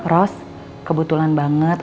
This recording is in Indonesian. ros kebetulan banget